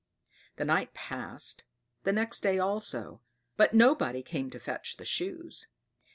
The night passed, the next day also; but nobody came to fetch the Shoes.